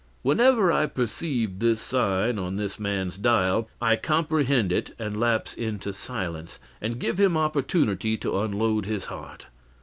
Whenever I perceive this sign on this man's dial, I comprehend it, and lapse into silence, and give him opportunity to unload his heart.